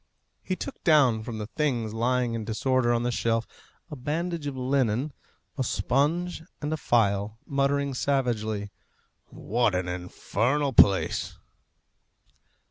He took down from the things lying in disorder on the shelf a bandage of linen, a sponge and a phial, muttering savagely, "What an infernal place!"